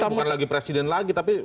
yang berwarna bukan lagi presiden lagi tapi